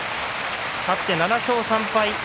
勝って７勝３敗。